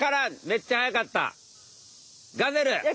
めっちゃ速かった。